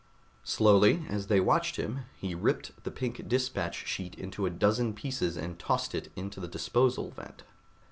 Slowly, as they watched him, he ripped the pink dispatch sheet into a dozen pieces and tossed it into the disposal vent.